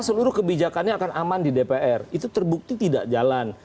seluruh kebijakannya akan aman di dpr itu terbukti tidak jalan